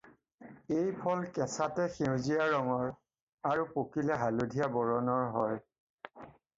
এই ফল কেঁচাতে সেউজীয়া ৰঙৰ আৰু পকিলে হালধীয়া বৰণৰ হয়।